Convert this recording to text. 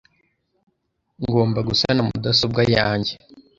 Ngomba gusana mudasobwa yanjye .